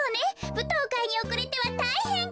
ぶとうかいにおくれてはたいへん。